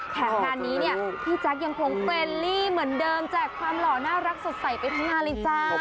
แถมงานนี้เนี่ยพี่แจ๊คยังคงเฟรนลี่เหมือนเดิมแจกความหล่อน่ารักสดใสไปทั้งงานเลยจ้า